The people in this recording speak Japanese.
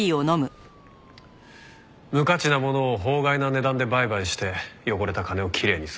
無価値なものを法外な値段で売買して汚れた金をきれいにする。